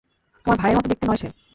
তোমার ভাইয়ের মতো দেখতে নয় সে।